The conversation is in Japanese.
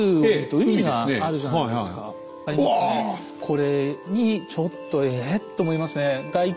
これにちょっと「え！」って思いますね。